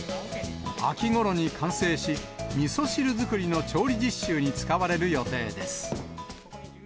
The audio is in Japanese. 秋ごろに完成し、みそ汁作りの調理実習に使われる予定です。